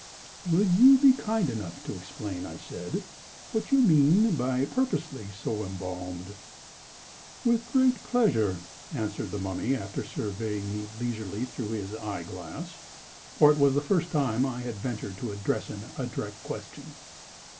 "Will you be kind enough to explain," I said, "what you mean by 'purposely so embalmed'?" "With great pleasure!" answered the Mummy, after surveying me leisurely through his eye glass—for it was the first time I had ventured to address him a direct question.